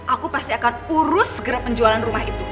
aku pasti akan urus segera penjualan rumah itu